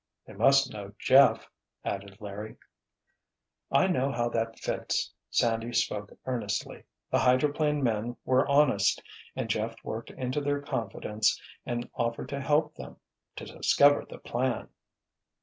"They must know Jeff," added Larry. "I know how that fits," Sandy spoke earnestly. "The hydroplane men were honest, and Jeff worked into their confidence and offered to help them—to discover the plan!"